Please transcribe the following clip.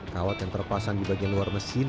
kawat yang terpasang di bagian luar mesin